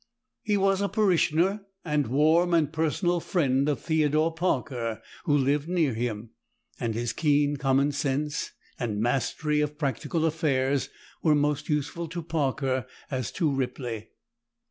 He was a parishioner and warm personal friend of Theodore Parker, who lived near him, and his keen common sense and mastery of practical affairs were most useful to Parker as to Ripley.